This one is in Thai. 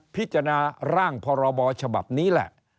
พิจารณาร่างพรบฉบับนี้แหละ